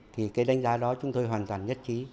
thì cái đánh giá đó chúng tôi hoàn toàn nhất trí